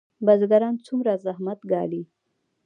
بزګران څومره زحمت ګالي؟